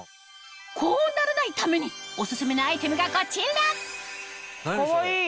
こうならないためにオススメのアイテムがこちらかわいい！